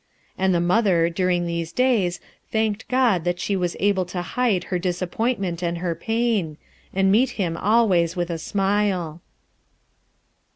And the mother during these days thanked God that she was able to hide her disappointment and her pain 3 and meet him always with a smile.